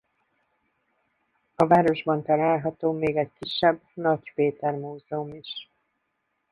A városban található még egy kisebb Nagy Péter-múzeum is.